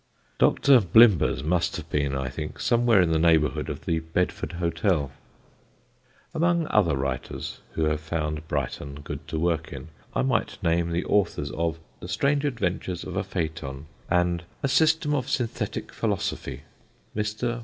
Dr. Blimber's must have been, I think, somewhere in the neighbourhood of the Bedford Hotel. [Sidenote: THACKERAY'S PRAISE] Among other writers who have found Brighton good to work in I might name the authors of The Strange Adventures of a Phaeton and A System of Synthetic Philosophy. Mr.